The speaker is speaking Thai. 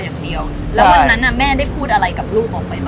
วันนั้นแม่ก็ได้พูดอะไรกับลูก